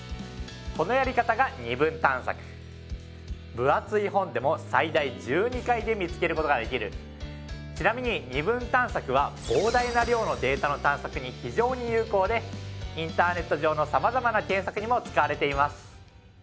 このやり方が二分探索ぶ厚い本でも最大１２回で見つけることができるちなみに二分探索は膨大な量のデータの探索に非常に有効でインターネット上の様々な検索にも使われています